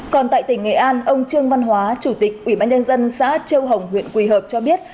còn tại tỉnh nghệ an ông trương văn hóa chủ tịch ủy ban nhân dân xã châu hồng huyện quỳ hợp cho biết